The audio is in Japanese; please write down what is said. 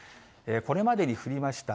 これまでに降りました